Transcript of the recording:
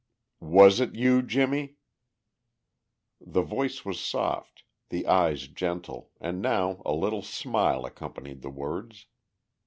"Was it you, Jimmie?" The voice was soft, the eyes gentle and now a little smile accompanied the words.